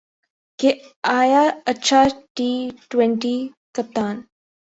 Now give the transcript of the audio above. کہ آیا اچھا ٹی ٹؤنٹی کپتان